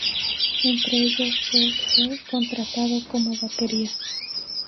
Entre ellos, Gregg fue contratado como batería.